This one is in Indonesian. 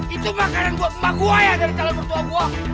itu makanan buat emak gue ya dari talan bertuah gue